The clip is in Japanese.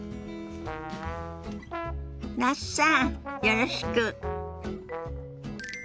那須さんよろしく。